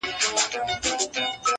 خدایه چیري په سفر یې له عالمه له امامه.